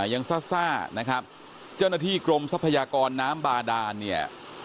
ซ่านะครับเจ้าหน้าที่กรมทรัพยากรน้ำบาดานเนี่ย